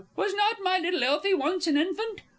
Was not my little Elfie once an infant?